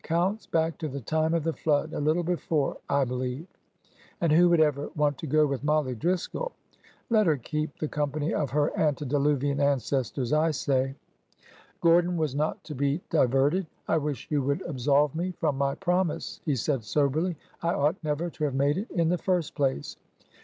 Counts back to the time of the flood,— a little before, I believe,— and who would ever want to go with Mollie Driscoll ! Let her keep the com pany of her antediluvian ancestors, I say !'' Gordon was not to be diverted. " I wish you would absolve me from my promise,'' he said soberly. '' I ought never to have made it, in the first place."